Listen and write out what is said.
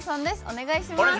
お願いします。